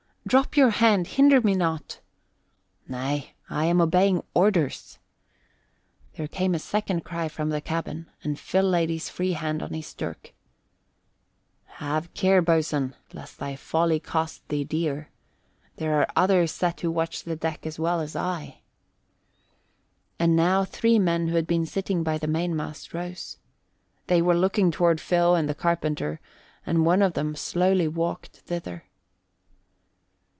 "Drop your hand! Hinder me not!" "Nay, I am obeying orders." There came a second cry from the cabin, and Phil laid his free hand on his dirk. "Have care, boatswain, lest thy folly cost thee dear. There are others set to watch the deck as well as I." And now three men who had been sitting by the mainmast rose. They were looking toward Phil and the carpenter, and one of them slowly walked thither.